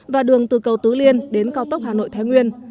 và đường từ cầu tứ liên đến cao tốc hà nội thái nguyên